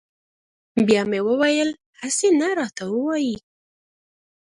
بیا مې ویل هسې نه راته ووایي.